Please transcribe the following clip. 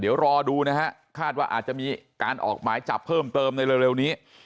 เดี๋ยวรอดูนะฮะคาดว่าอาจจะมีการออกหมายจับเพิ่มเติมในเร็วนี้